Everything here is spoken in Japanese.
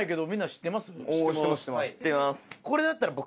知ってます。